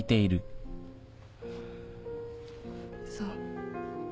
そう。